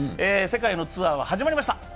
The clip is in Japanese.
世界のツアーは始まりました。